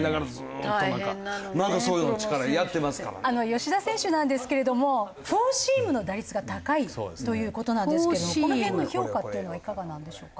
吉田選手なんですけれどもフォーシームの打率が高いという事なんですけれどもこの辺の評価っていうのはいかがなんでしょうか？